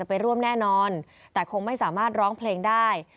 ไปร่วมแน่นอนแต่คงไม่สามารถร้องเพลงได้